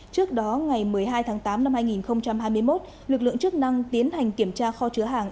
trước đó ngày một mươi hai tháng tám năm hai nghìn hai mươi một lực lượng chức năng tiến hành kiểm tra kho chứa hàng